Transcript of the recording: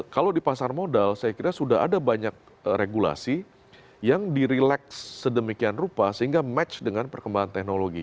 kalau di pasar modal saya kira sudah ada banyak regulasi yang di relax sedemikian rupa sehingga match dengan perkembangan teknologi